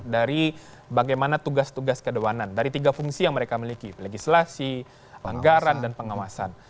dari bagaimana tugas tugas kedewanan dari tiga fungsi yang mereka miliki legislasi anggaran dan pengawasan